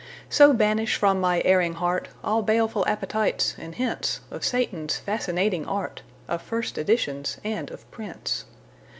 So banish from my erring heartAll baleful appetites and hintsOf Satan's fascinating art, Of first editions, and of prints.